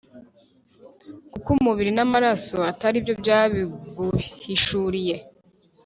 kuko umubiri n’amaraso atari byo byabiguhishuriye,